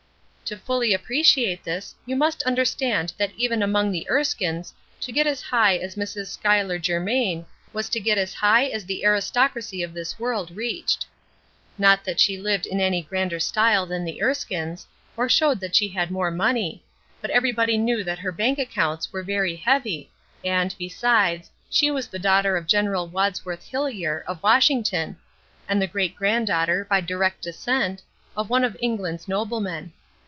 To fully appreciate this you must understand that even among the Erskines to get as high as Mrs. Schulyer Germain was to get as high as the aristocracy of this world reached; not that she lived in any grander style than the Erskines, or showed that she had more money, but every one knew that her bank accounts were very heavy, and, besides, she was the daughter of Gen. Wadsworth Hillyer, of Washington, and the great granddaughter, by direct descent, of one of England's noblemen.